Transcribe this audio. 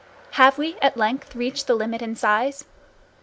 Have we at length reached the limit in size?